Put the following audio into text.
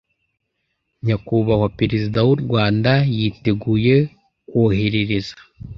nyakubahwa perezida w'u rwanda yiteguye kwoherereza